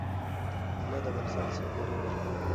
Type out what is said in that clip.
طلا د افغانستان د سیلګرۍ برخه ده.